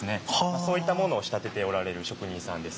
そういったものを仕立てておられる職人さんです。